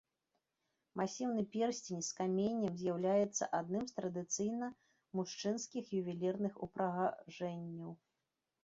Масіўны персцень з каменем з'яўляецца адным з традыцыйна мужчынскіх ювелірных упрыгажэнняў.